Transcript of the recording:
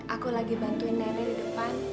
aku lagi bantuin nenek di depan